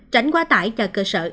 tránh quá tải cho cơ sở y tế